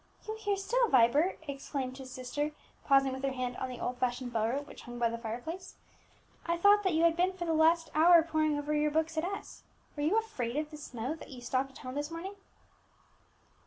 "You here still, Vibert!" exclaimed his sister, pausing with her hand on the old fashioned bell rope which hung by the fire place. "I thought that you had been for the last hour poring over your books at S . Were you afraid of the snow that you stopped at home this morning?"